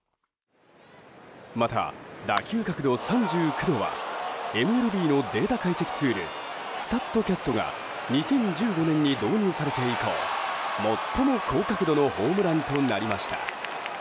また、打球角度３９度はＭＬＢのデータ解析ツールスタットキャストが２０１５年に導入されて以降最も高角度のホームランとなりました。